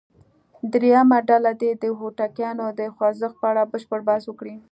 درېمه ډله دې د هوتکیانو د خوځښت په اړه بشپړ بحث وکړي.